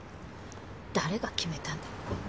誰が決めたんだか。